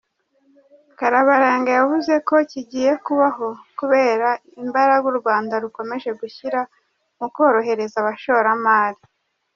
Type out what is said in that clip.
Karabaranga yavuze ko kigiye kubaho kubera imbaraga u Rwanda rukomeje gushyira mu korohereza abashoramari.